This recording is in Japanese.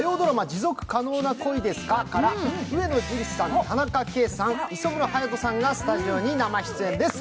「持続可能な恋ですか？」から上野樹里さん、田中圭さん、磯村勇斗さんがスタジオに生出演です。